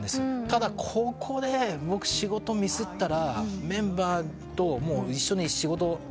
ただここで僕仕事ミスったらメンバーと一緒に仕事。